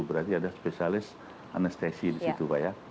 berarti ada spesialis anestesi di situ